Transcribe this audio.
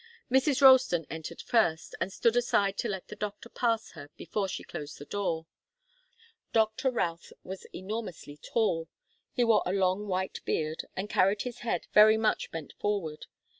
Mrs. Ralston entered first, and stood aside to let the doctor pass her before she closed the door. Doctor Routh was enormously tall. He wore a long white beard, and carried his head very much bent forward.